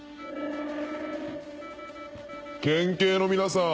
県警の皆さん！